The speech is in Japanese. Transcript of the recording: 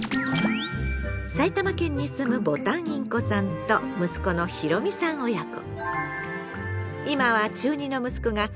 埼玉県に住むボタンインコさんと息子のひろみさん親子。